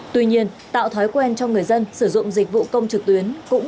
tuy nhiên tạo thói quen cho người dân sử dụng dịch vụ công trực tuyến cũng